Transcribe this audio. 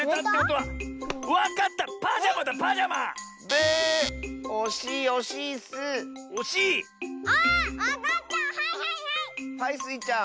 はいスイちゃん。